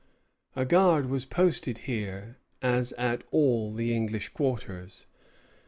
A guard was posted here, as at all the English quarters.